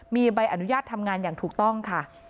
มีใบอนุญาตทำงานอย่างถูกต้องค่ะ